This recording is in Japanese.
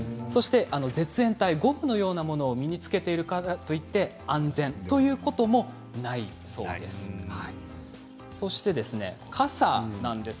絶縁体、ゴムのようなものを身に着けているからといって安全ということもないということなんです。